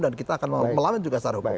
dan kita akan melawan juga secara hukum